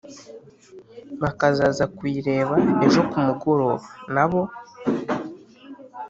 bakazaza kuyireba ejo kumugoroba nabo